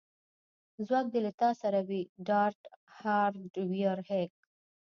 ځواک دې له تا سره وي ډارت هارډویر هیک